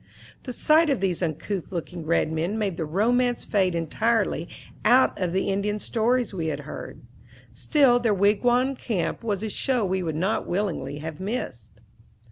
The sight of these uncouth looking red men made the romance fade entirely out of the Indian stories we had heard. Still their wigwam camp was a show we would not willingly have missed.